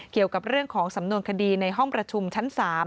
เกี่ยวกับเรื่องของสำนวนคดีในห้องประชุมชั้น๓